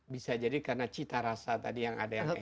bisa jadi karena cita rasa tadi yang ada